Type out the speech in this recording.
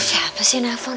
siapa sih ini handphone